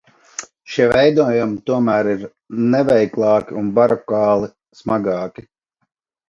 Šie veidojumi tomēr ir neveiklāki un barokāli smagāki.